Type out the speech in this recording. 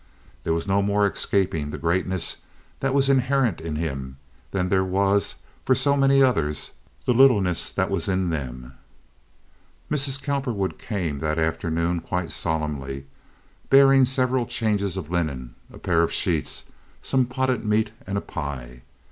There was no more escaping the greatness that was inherent in him than there was for so many others the littleness that was in them. Mrs. Cowperwood came in that afternoon quite solemnly, bearing several changes of linen, a pair of sheets, some potted meat and a pie.